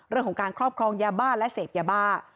เรื่องของการครอบครองยาบ้าและเสพยาบ้า